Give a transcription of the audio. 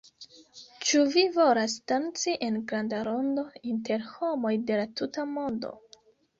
Ĉu vi volas danci en granda rondo, inter homoj de la tuta mondo?